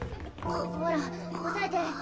ほら押さえて。